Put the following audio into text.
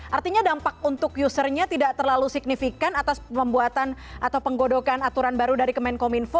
artinya dampak untuk usernya tidak terlalu signifikan atas pembuatan atau penggodokan aturan baru dari kemenkominfo